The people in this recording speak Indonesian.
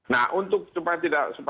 nah untuk supaya tidak